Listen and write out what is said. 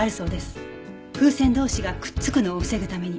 風船同士がくっつくのを防ぐために。